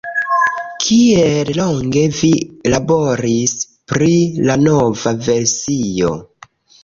Kiel longe vi laboris pri la nova versio?